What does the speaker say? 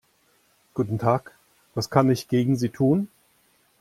Guten Tag, was kann ich gegen Sie tun?